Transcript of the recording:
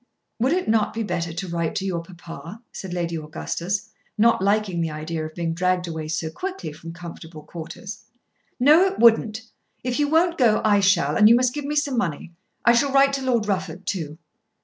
"Would it not be better to write to your papa?" said Lady Augustus, not liking the idea of being dragged away so quickly from comfortable quarters. "No; it wouldn't. If you won't go I shall, and you must give me some money. I shall write to Lord Rufford too."